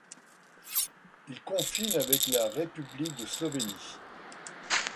Il confine avec la république de Slovénie.